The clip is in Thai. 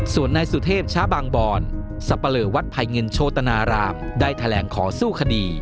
ส่วนนายสุเทพช้าบางบอนสับปะเลอวัดภัยเงินโชตนารามได้แถลงขอสู้คดี